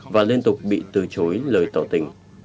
và liên tục bị từ chối lời tỏ tình